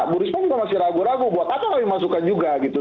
bu risma juga masih ragu ragu buat apa kami masukkan juga gitu